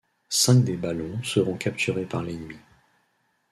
Cinq des ballons seront capturés par l'ennemi.